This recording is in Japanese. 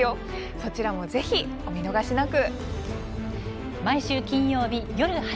そちらもぜひお見逃しなく。